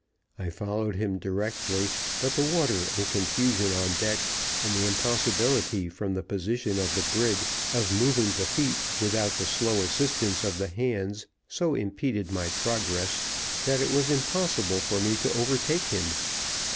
I followed him directly, but the water and confusion on deck, and the impossibility, from the position of the brig, of moving the feet without the slow assistance of the hands, so impeded my progress that it was impossible for me to overtake him.